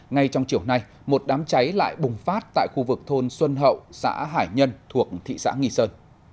ngay trong chiều nay một đám cháy lại bùng phát tại khu vực thôn xuân hậu xã hải nhân thuộc thị xã nghi sơn